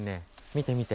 見て見て。